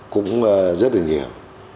cũng rất là nhiều